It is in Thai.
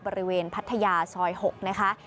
บริเวณพัทยาซอย๖นะคะ